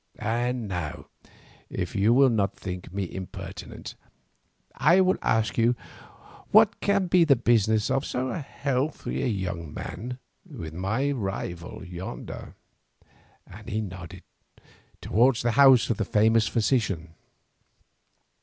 And now, if you will not think me impertinent, I will ask you what can be the business of so healthy a young man with my rival yonder?" And he nodded towards the house of the famous physician.